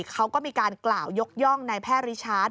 เขาก็มีการกล่าวยกย่องในแพทย์ริชาร์จ